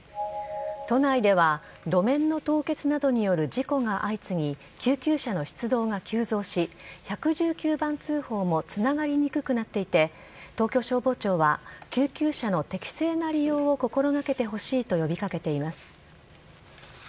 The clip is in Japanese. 都内では路面の凍結などによる事故が相次ぎ救急車の出動が急増し１１９番通報もつながりにくくなっていて東京消防庁は救急車の適正な利用を心掛けてほしいと呼び掛けています。